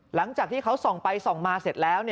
หลังจากที่เขาส่องไปส่องมาเสร็จแล้ว